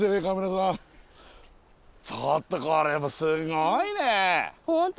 ちょっとこれすごいね！